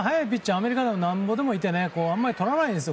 アメリカでも、なんぼもいてあまりとらないですよ